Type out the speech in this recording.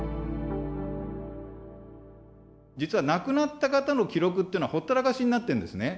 実は亡くなった方の記録っていうのはほったらかしになってるんですね。